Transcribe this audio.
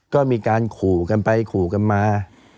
ก็มีการขู่กันไปขู่กันมา